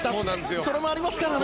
それもありますからね。